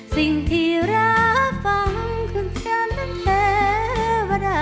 สิ่งที่รักฟังคุณแช่งเทวดา